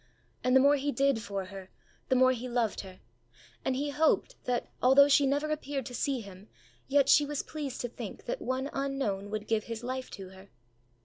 And the more he did for her, the more he loved her; and he hoped that, although she never appeared to see him, yet she was pleased to think that one unknown would give his life to her.